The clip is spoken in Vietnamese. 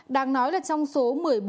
đang nói là trong số một mươi bốn